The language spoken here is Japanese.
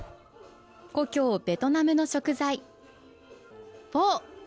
故郷ベトナムの食材。